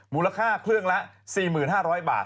มูลค่าเครื่องละ๔๕๐๐บาท